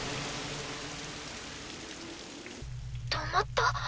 止まった？